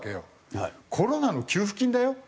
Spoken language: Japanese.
コロナの給付金だよ？